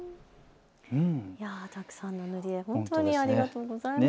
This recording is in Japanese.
たくさんの塗り絵、本当にありがとうございます。